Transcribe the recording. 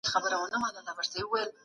امين يا رب العالمين.